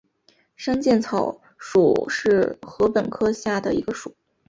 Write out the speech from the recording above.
山涧草属是禾本科下的一个属。